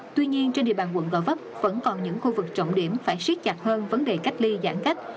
tuy nhiên trên địa bàn quận gò vấp vẫn còn những khu vực trọng điểm phải siết chặt hơn vấn đề cách ly giãn cách